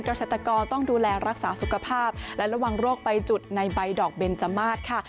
เกษตรกรต้องดูแลรักษาสุขภาพและระวังโรคใบจุดในใบดอกเบนจมาสค่ะ